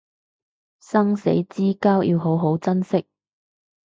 生死之交要好好珍惜